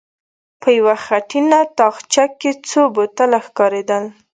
په يوه خټينه تاخچه کې څو بوتله ښکارېدل.